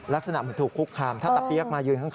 ลักษณะเหมือนถูกคุกคามถ้าตะเปี๊ยกมายืนข้าง